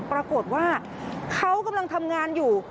ปรากฏว่าเขากำลังทำงานอยู่